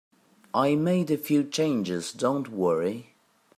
I made a few changes, don't worry.